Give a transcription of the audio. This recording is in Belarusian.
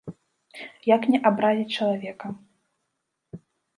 Як не абразіць чалавека?